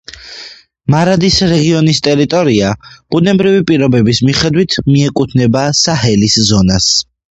მარადის რეგიონის ტერიტორია ბუნებრივი პირობების მიხედვით მიეკუთვნება საჰელის ზონას.